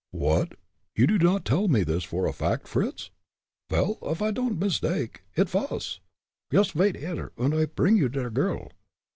"What! you do not tell me this for a fact, Fritz?" "Vel, off I don'd misdake, it vas. Yoost vait here, und I pring you der girl.